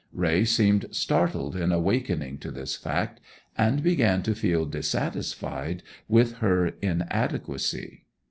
Raye seemed startled in awakening to this fact, and began to feel dissatisfied with her inadequacy.